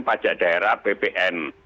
pajak daerah ppn